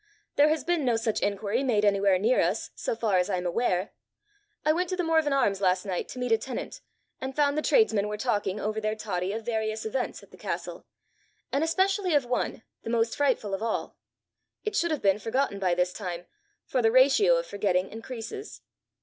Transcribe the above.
There has been no such inquiry made anywhere near us, so far as I am aware. I went to the Morven Arms last night to meet a tenant, and found the tradesmen were talking, over their toddy, of various events at the castle, and especially of one, the most frightful of all. It should have been forgotten by this time, for the ratio of forgetting, increases."